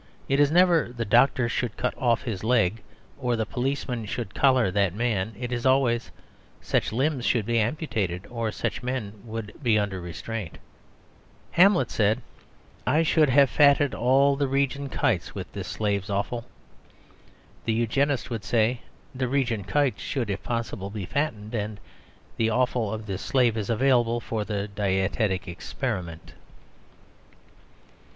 It is never "the doctor should cut off this leg" or "the policeman should collar that man." It is always "Such limbs should be amputated," or "Such men should be under restraint." Hamlet said, "I should have fatted all the region kites with this slave's offal." The Eugenist would say, "The region kites should, if possible, be fattened; and the offal of this slave is available for the dietetic experiment."